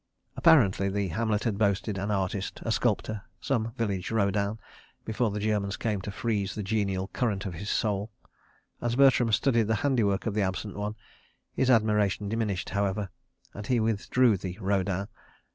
Apparently the hamlet had boasted an artist, a sculptor, some village Rodin, before the Germans came to freeze the genial current of his soul. ... As Bertram studied the handiwork of the absent one, his admiration diminished, however, and he withdrew the "Rodin."